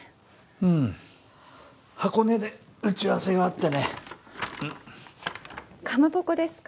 うん箱根で打ち合わせがあってねんっ蒲鉾ですか？